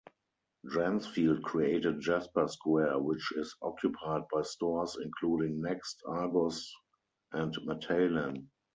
Dransfield created Jasper Square which is occupied by stores including Next, Argos and Matalan.